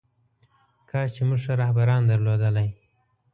کاش چې موږ ښه رهبران درلودلی.